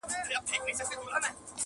دا حالت ښيي چي هغه له خپل فردي وجود څخه ,